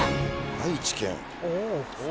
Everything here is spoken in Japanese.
愛知県。